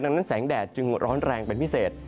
ดังนั้นแสงแดดจึงร้อนแรงเป็นพิเศษ